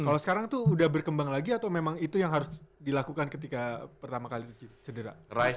kalau sekarang itu sudah berkembang lagi atau memang itu yang harus dilakukan ketika pertama kali cedera